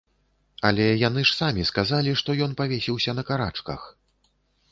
Але яны ж самі сказалі, што ён павесіўся на карачках!